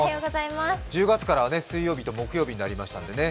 １０月から水曜日と木曜日になりましたのでね